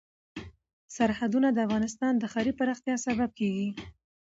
سرحدونه د افغانستان د ښاري پراختیا سبب کېږي.